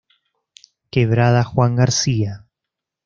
Quebrada Juan García.